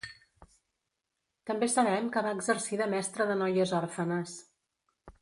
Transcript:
També sabem que va exercir de mestra de noies òrfenes.